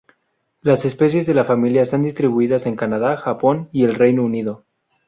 Las especies de la familia están distribuidas en Canadá, Japón, y el Reino Unido.